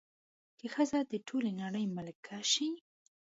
که ښځه د ټولې نړۍ ملکه شي